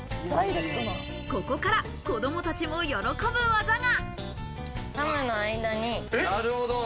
ここから子供たちも喜ぶ技が。